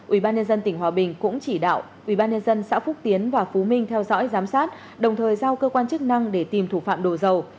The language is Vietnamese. ubnd tỉnh hòa bình cũng chỉ đạo ubnd xã phúc tiến và phú minh theo dõi giám sát đồng thời giao cơ quan chức năng để tìm thủ phạm đổ dầu